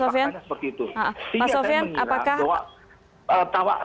pak sofyan pak sofyan apakah